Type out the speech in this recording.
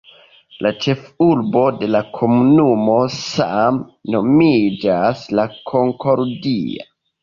La ĉefurbo de la komunumo same nomiĝas La Concordia.